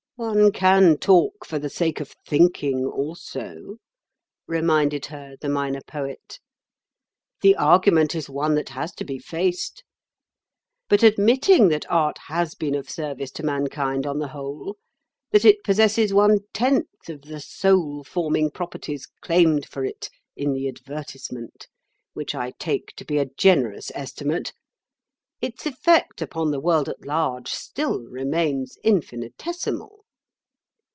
"One can talk for the sake of thinking also," reminded her the Minor Poet. "The argument is one that has to be faced. But admitting that Art has been of service to mankind on the whole, that it possesses one tenth of the soul forming properties claimed for it in the advertisement—which I take to be a generous estimate—its effect upon the world at large still remains infinitesimal."